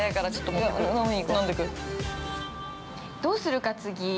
◆どうするか、次。